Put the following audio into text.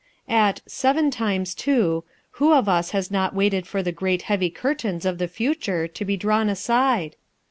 At "seven times two," who of us has not waited for the great heavy curtains of the future to be drawn aside?